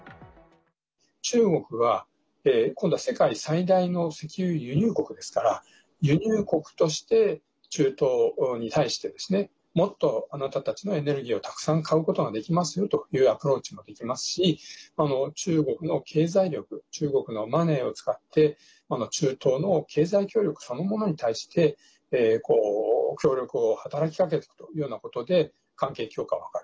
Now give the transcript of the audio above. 中国は今度は世界最大の石油輸入国ですから輸入国として、中東に対してもっとあなたたちのエネルギーをたくさん買うことができますよというアプローチもできますし中国の経済力中国のマネーを使って中東の経済協力そのものに対して協力を働きかけたというようなことで関係強化を図る。